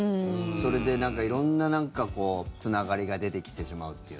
それで、なんか色んなつながりが出てきてしまうっていう。